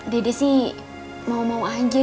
dede sih mau mau aja